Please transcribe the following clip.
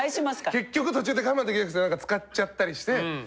結局途中で我慢できなくて使っちゃったりして。